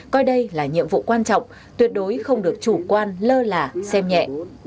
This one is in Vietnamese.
coi đây là nhiệm vụ quan trọng tuyệt đối không được chủ quan lơ là xem nhẹ